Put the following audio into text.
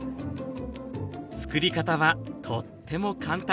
作り方はとっても簡単！